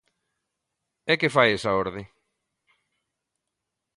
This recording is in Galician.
¿E que fai esa orde?